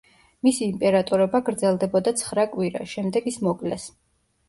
მისი იმპერატორობა გრძელდებოდა ცხრა კვირა, შემდეგ ის მოკლეს.